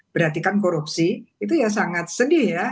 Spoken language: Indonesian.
berarti kan korupsi itu ya sangat sedih ya